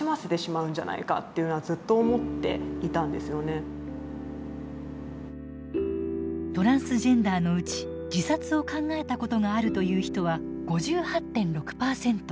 あと自分の場合はトランスジェンダーのうち自殺を考えたことがあるという人は５８．６％。